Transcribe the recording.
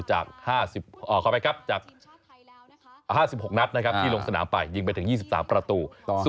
จาก๕๖นัดที่ลงสนามไปยิงไปถึง๒๓ประตู